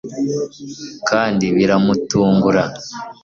kandi biramutungura